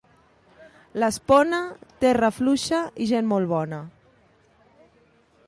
L'Espona, terra fluixa i gent molt bona.